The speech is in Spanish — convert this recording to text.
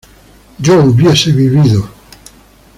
yo hubiese vivido